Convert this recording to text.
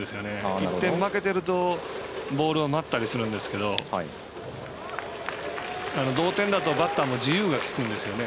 １点負けているとボールを待ったりするんですけど同点打とバッターの自由がきくんですよね。